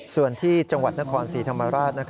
ส่วนที่จังหวัดนครศรีธรรมราช